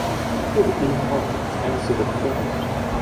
He was active in politics and civic affairs.